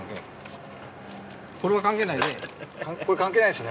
これ関係ないですね